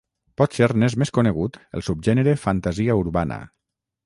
Potser n'és més conegut el subgènere fantasia urbana.